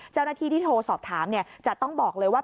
เจ้าหน้าที่ที่โทรสอบถามจะต้องบอกเลยว่า